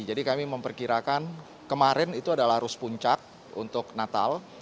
jadi kami memperkirakan kemarin itu adalah arus puncak untuk natal